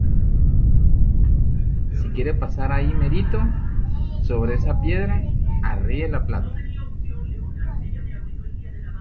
si quiere pasar, ahí merito , sobre esa piedra , arríe la plata.